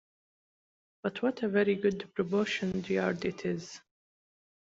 But what a very good-proportioned yard it is!